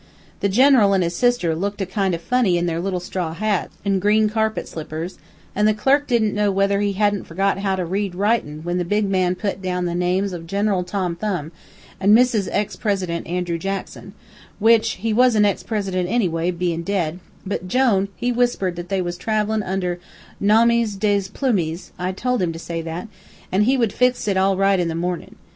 The General an' his sister looked a kind o' funny in their little straw hats an' green carpet slippers, an' the clerk didn't know whether he hadn't forgot how to read writin' when the big man put down the names of General Tom Thumb and Mrs. ex President Andrew Jackson, which he wasn't ex President anyway, bein' dead; but Jone he whispered they was travelin' under nommys dess plummys (I told him to say that), an' he would fix it all right in the mornin'.